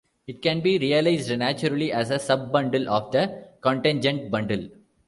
It can be realised naturally as a sub-bundle of the cotangent bundle.